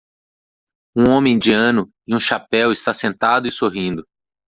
Um homem indiano em um chapéu está sentado e sorrindo.